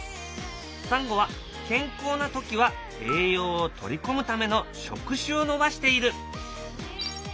サンゴは健康な時は栄養を取り込むための触手を伸ばしている。